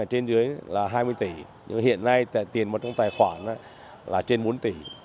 trên dưới là hai mươi tỷ hiện nay tiền vào trong tài khoản là trên bốn tỷ